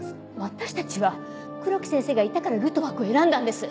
私たちは黒木先生がいたからルトワックを選んだんです！